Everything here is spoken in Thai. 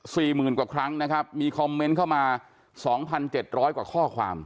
หมื่นกว่าครั้งนะครับมีคอมเมนต์เข้ามาสองพันเจ็ดร้อยกว่าข้อความ